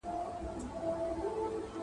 • د مارگير مرگ د ماره وي.